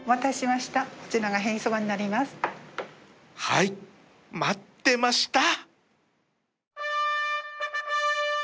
はい待ってました！